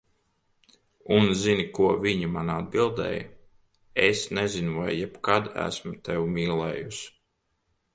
Un zini, ko viņa man atbildēja, "Es nezinu, vai jebkad esmu tevi mīlējusi."